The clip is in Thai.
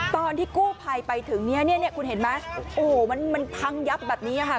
ตอนที่กู้ภัยไปถึงเนี่ยคุณเห็นไหมโอ้โหมันพังยับแบบนี้ค่ะ